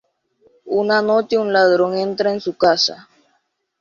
Una noche un ladrón entra en su casa.